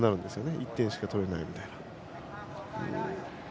１点しか取れないみたいな。